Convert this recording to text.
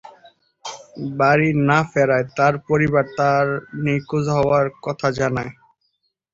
বাড়ি না ফেরায় তার পরিবার তার নিখোঁজ হওয়ার কথা জানায়।